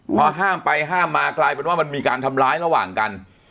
พอห้ามไปห้ามมากลายเป็นว่ามันมีการทำร้ายระหว่างกัน